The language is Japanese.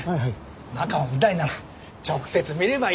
中を見たいなら直接見ればいい。